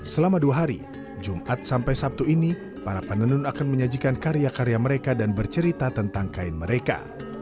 selama dua hari jumat sampai sabtu ini para penenun akan menyajikan karya karya mereka dan bercerita tentang kain mereka